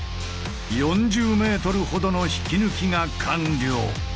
４０ｍほどの引き抜きが完了。